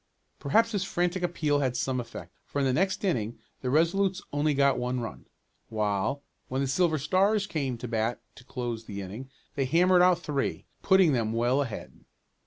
Perhaps his frantic appeal had some effect, for in the next inning the Resolutes only got one run, while, when the Silver Stars came to bat to close the inning, they hammered out three, putting them well ahead.